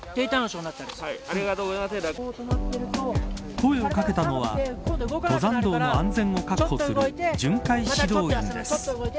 声を掛けたのは登山道の安全を確保する巡回指導員です。